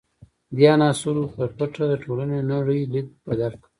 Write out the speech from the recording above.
دې عناصرو په پټه د ټولنې نړۍ لید بدل کړ.